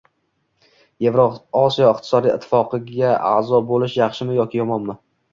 Evrosiyo iqtisodiy ittifoqiga a'zo bo'lish yaxshimi yoki yomonmi?